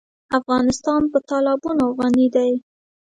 افغانستان په تالابونه غني دی.